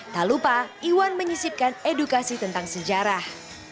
tak lupa iwan menyisipkan edukasi tentang sejarah